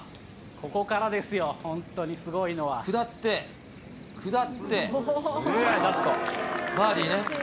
ここからですよ、本当にすご下って、下って、バーディーね。